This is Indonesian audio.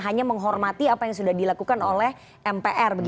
hanya menghormati apa yang sudah dilakukan oleh mpr